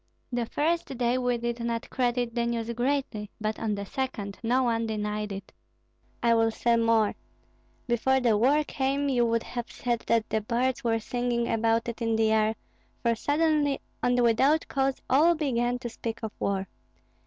The first day we did not credit the news greatly, but on the second no one denied it. I will say more; before the war came, you would have said that the birds were singing about it in the air, for suddenly and without cause all began to speak of war.